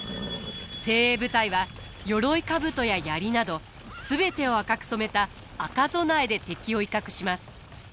精鋭部隊は鎧兜や槍など全てを赤く染めた赤備えで敵を威嚇します。